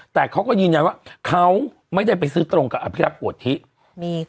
แต่เขาก็ยืนยันว่าเขาไม่ได้ไปซื้อตรงกับอภิรักษ์โอธิ